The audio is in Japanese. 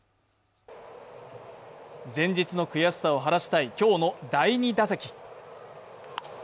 前日の悔しさを張らしたい今日の第２打席。